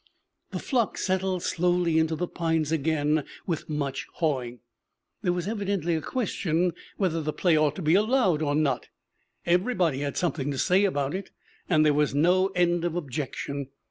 The flock settled slowly into the pines again with much hawing. There was evidently a question whether the play ought to be allowed or not. Everybody had something to say about it; and there was no end of objection.